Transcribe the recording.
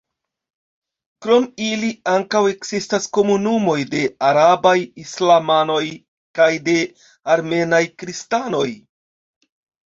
Krom ili ankaŭ ekzistas komunumoj de arabaj islamanoj kaj de armenaj kristanoj.